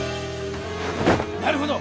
なるほど！